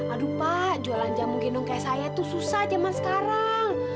aduh pak jualan jamu gendong kayak saya tuh susah zaman sekarang